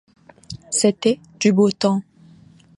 C’était « du beau temps ».